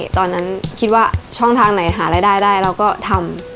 ตอนนั้นคิดว่าช่องทางไหนหารายได้ได้เราก็ทำ